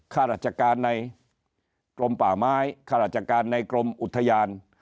ข้ารัจจัดการในกลมป่าไม้ข้ารัจจัดการในกลมอุทยาน